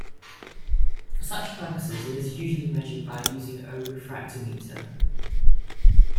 For such purposes, it is usually measured by using a refractometer.